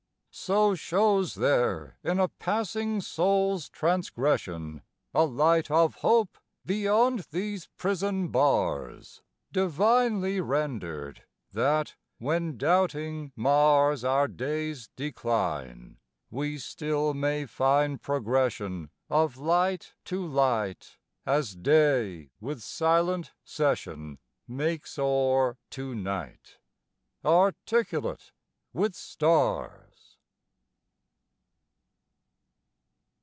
So shows there in a passing soul's transgression A light of hope beyond these prison bars Divinely rendered, that, when doubting mars Our day's decline, we still may find progression Of light to light, as day with silent cession Makes o'er to night articulate with stars.